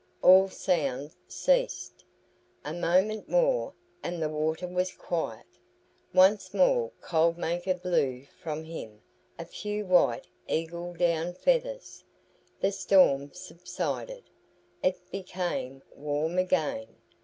All sound ceased. A moment more, and the water was quiet. Once more Cold Maker blew from him a few white eagle down feathers. The storm subsided. It became warm again.